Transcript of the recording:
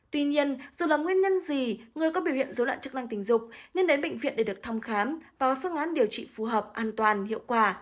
tuy nhiên dù là nguyên nhân gì người có biểu hiện dối loạn chức năng tình dục nên đến bệnh viện để được thăm khám và phương án điều trị phù hợp an toàn hiệu quả